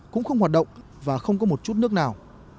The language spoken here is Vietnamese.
cũng không hoạt động và không có một chút nước nào